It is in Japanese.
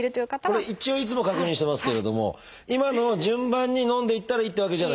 これ一応いつも確認してますけれども今のを順番に飲んでいったらいいってわけじゃないんですよね？